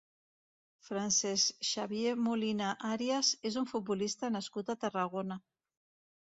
Francesc Xavier Molina Arias és un futbolista nascut a Tarragona.